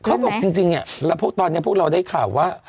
เขาบอกจริงแล้วพวกตอนนี้พวกเราได้ข่าวว่า